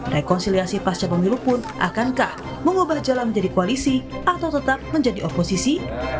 rekonsiliasi pasca pemilu pun akankah mengubah jalan menjadi koalisi atau tetap menjadi oposisi